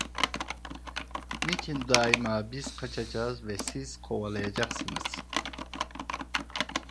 Niçin dâima biz kaçacağız ve siz kovalayacaksınız?